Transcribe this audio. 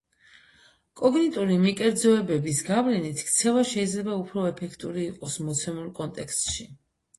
კოგნიტური მიკერძოებების გავლენით ქცევა შეიძლება უფრო ეფექტური იყოს მოცემულ კონტექსტში.